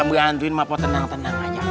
berantuin ma po tenang tenang aja